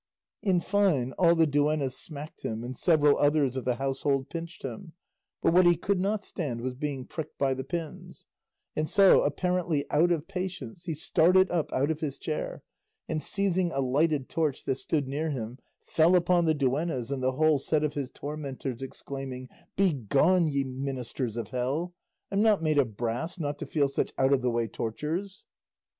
In fine, all the duennas smacked him and several others of the household pinched him; but what he could not stand was being pricked by the pins; and so, apparently out of patience, he started up out of his chair, and seizing a lighted torch that stood near him fell upon the duennas and the whole set of his tormentors, exclaiming, "Begone, ye ministers of hell; I'm not made of brass not to feel such out of the way tortures."